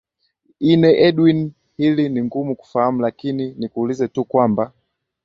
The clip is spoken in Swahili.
ine edwin hili ni ngumu kufahamu lakini nikuulize tu kwamba